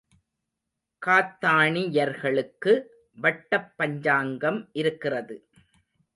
காத்தாணியர்களுக்கு வட்டப் பஞ்சாங்கம் இருக்கிறது.